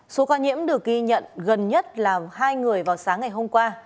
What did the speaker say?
số ca nhiễm được ghi nhận gần nhất là hai người vào sáng ngày hôm qua